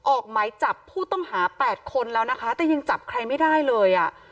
ออกหมายจับผู้ต้องหา๘คนแล้วนะคะแต่ยังจับใครไม่ได้เลยอ่ะ